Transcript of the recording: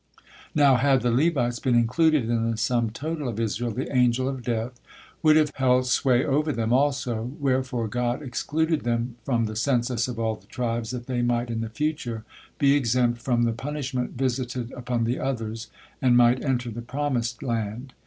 Now had the Levites been included in the sum total of Israel, the Angel of Death would have held sway over them also, wherefore God excluded them from the census of all the tribes, that they might in the future be exempt from the punishment visited upon the others, and might enter the promised land.